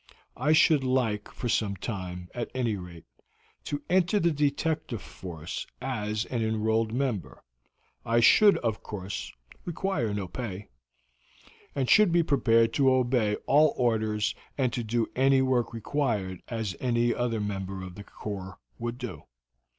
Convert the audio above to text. I should like, for some time, at any rate, to enter the detective force as an enrolled member. I should, of course, require no pay, but should be prepared to obey all orders and to do any work required, as any other member of the corps would do.